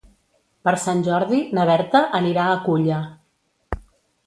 Per Sant Jordi na Berta anirà a Culla.